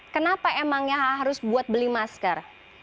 kenapa emangnya harus buat beli masker